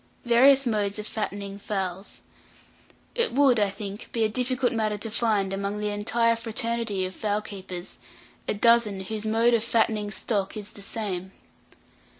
VARIOUS MODES OF FATTENING FOWLS. It would, I think, be a difficult matter to find, among the entire fraternity of fowl keepers, a dozen whose mode of fattening "stock" is the same.